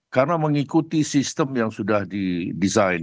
karena mengikuti sistem yang sudah didesain